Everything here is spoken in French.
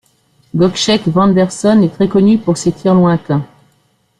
Gökçek Vederson est très connu pour ses tirs lointains.